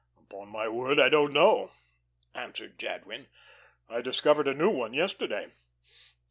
"Upon my word, I don't know," answered Jadwin. "I discovered a new one yesterday.